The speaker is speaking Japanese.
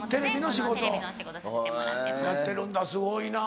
テレビの仕事をやってるんだすごいな。